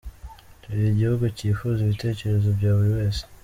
Turi igihugu cyifuza ibitekerezo bya buri wese.”